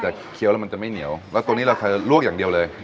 แต่เคี้ยวแล้วมันจะไม่เหนียวแล้วตัวนี้เราจะลวกอย่างเดียวเลย